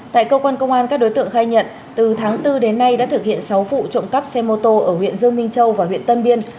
tại cơ quan công an các đối tượng khai nhận từ tháng bốn đến nay đã thực hiện sáu vụ trộm cắp xe mô tô ở huyện dương minh châu và huyện tân biên